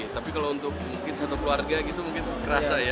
tapi kalau untuk mungkin satu keluarga gitu mungkin kerasa ya